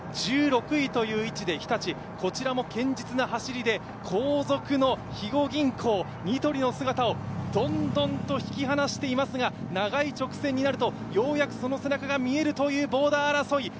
１６位という位置で日立、こちらも堅実な走りで後続の肥後銀行、ニトリの姿をどんどんと引き離していますが、長い直線になるとようやくその背中が見えるというボーダー争い。